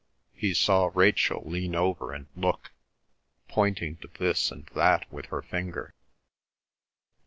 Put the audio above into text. He saw Rachel lean over and look, pointing to this and that with her finger.